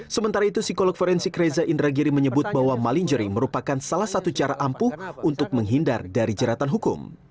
sementara itu psikolog forensik reza indragiri menyebut bahwa malingering merupakan salah satu cara ampuh untuk menghindar dari jeratan hukum